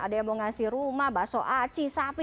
ada yang mau ngasih rumah bakso aci sapi